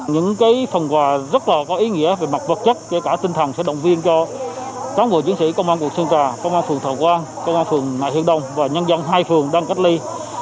những phần quà rất là có ý nghĩa về mặt vật chất kể cả tinh thần sẽ động viên cho cán bộ chiến sĩ công an quận sơn trà công an phường thọ quang công an phường nại hiên đông và nhân dân hai phường đang cách ly